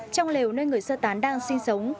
trong lều nơi người sơ tán đang sinh sống